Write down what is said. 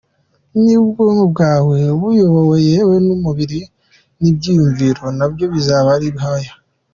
niba ubwonko bwawe buyobowe, yewe n’umubiri n’iby’iyumviro nabyo bizaba ari hoya.